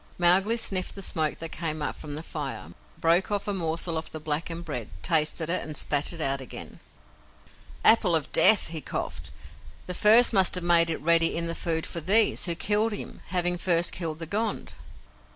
Mowgli sniffed the smoke that came up from the fire, broke off a morsel of the blackened bread, tasted it, and spat it out again. "Apple of Death," he coughed. "The first must have made it ready in the food for THESE, who killed him, having first killed the Gond."